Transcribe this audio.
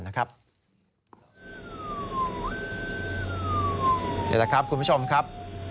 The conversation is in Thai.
นี่แหละครับคุณผู้ชมครับ